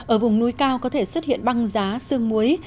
ở vùng núi cao có thể xuất hiện băng giá xương muối